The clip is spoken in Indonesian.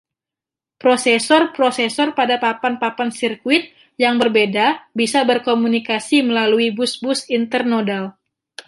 Prosesor-prosesor pada papan-papan sirkuit yang berbeda bisa berkomunikasi melalui bus-bus internodal.